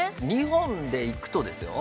２本でいくとですよ